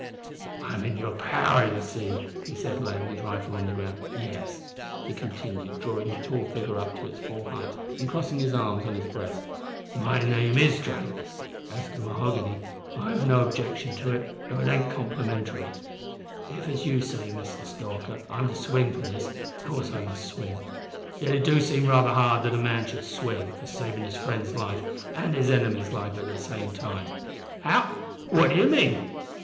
"I'm in your power, you see," he said, laying his rifle on the ground. "Yes," he continued, drawing his tall figure up to its full height and crossing his arms on his breast, "my name is Drake. As to Mahoghany, I've no objection to it though it ain't complimentary. If, as you say, Mister Stalker, I'm to swing for this, of course I must swing. Yet it do seem raither hard that a man should swing for savin' his friend's life an' his enemy's at the same time." "How what do you mean?"